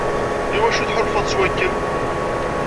Iwacu tḥulfaḍ s wakken?